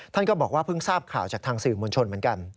ท่านก็บอกว่าเพิ่งทราบข่าวจากทางสื่อมวลชนเหมือนกัน